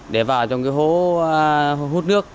để vào trong cái hố hút nước